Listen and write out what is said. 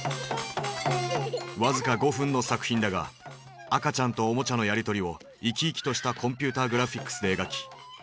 僅か５分の作品だが赤ちゃんとおもちゃのやり取りを生き生きとしたコンピューターグラフィックスで描き映画界に衝撃を与えた。